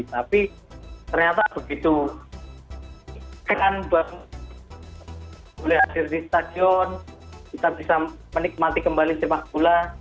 tapi ternyata begitu kan boleh hadir di stadion kita bisa menikmati kembali sepak bola